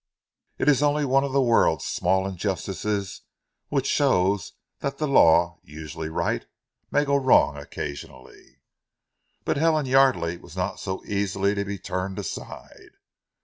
It is only one of the world's small injustices which shows that the law, usually right, may go wrong occasionally." But Helen Yardely was not so easily to be turned aside.